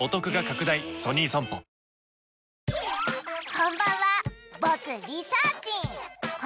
こんばんは僕リサーちん